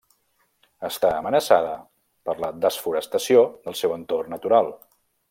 Està amenaçada per la desforestació del seu entorn natural.